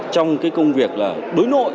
trong cái công việc đối nội